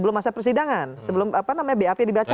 masa persidangan sebelum bap dibacakan